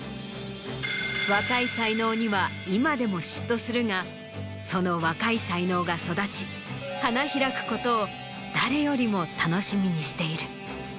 若い才能には今でも嫉妬するがその若い才能が育ち花開くことを誰よりも楽しみにしている。